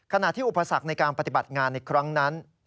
ขณะที่อุปสรรคในการปฏิบัติงานในครั้งนั้น